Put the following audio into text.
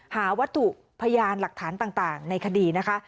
หาวัตถุพยานหลักฐานต่างในคดีนะคะ